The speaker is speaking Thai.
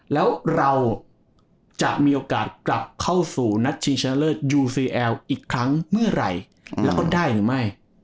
แล้วเราจะมีโอกาสกลับเข้าสู่นัดชิงชนะเลิศยูซีแอลอีกครั้งเมื่อไหร่แล้วก็ได้หรือไม่